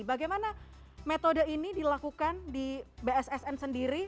bagaimana metode ini dilakukan di bssn sendiri